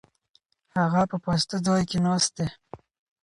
هغه په پاسته ځای کې ناست دی.